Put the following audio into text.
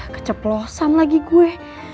keceplosan lagi gue